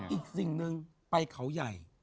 อีกสิ่งหนึ่งไปเขาใหญ่